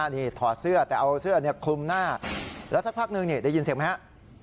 นี่ถอดเสื้อแต่เอาเสื้อคลุมหน้าแล้วสักพักนึงนี่ได้ยินเสียงไหมฮะ